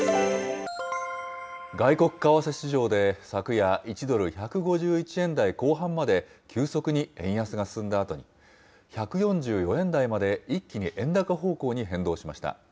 外国為替市場で、昨夜、１ドル１５１円台後半まで急速に円安が進んだあとに、１４４円台まで一気に円高方向に変動しました。